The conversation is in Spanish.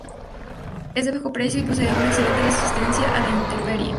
Es de bajo precio y posee una excelente resistencia a la intemperie.